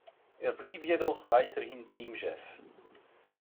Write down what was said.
Er blieb jedoch weiterhin Teamchef.